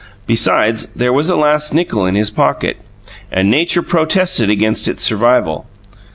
Besides, there was a last nickel in his pocket; and nature protested against its survival.